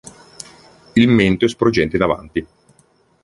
Il mento è sporgente in avanti.